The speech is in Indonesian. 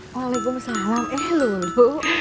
waalaikumsalam eh lulu